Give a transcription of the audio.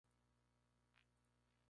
Esta especie se reproduce de mayo a julio.